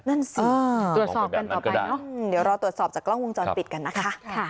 นั่นสิตรวจสอบกันต่อไปเนอะเดี๋ยวรอตรวจสอบจากกล้องวงจรปิดกันนะคะ